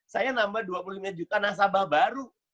saya nambah dua puluh lima juta nasabah baru